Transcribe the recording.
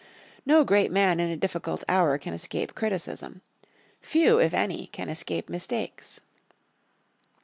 No great man in a difficult hour can escape criticism. Few, in any, can escape mistakes.